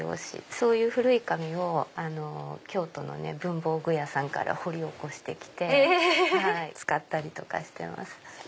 そういう古い紙を京都の文房具屋さんから掘り起こして来て使ったりとかしてます。